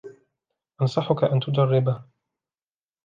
أنصحك أن تجربه.